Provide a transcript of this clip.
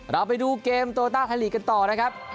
เราไปดูเกมโตต้าไทยลีกกันต่อนะครับ